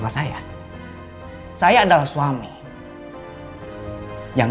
ketika shaundra tasar menah